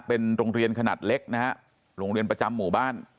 เป็นโรงเรียนขนาดเล็กนะฮะโรงเรียนประจำหมู่บ้าน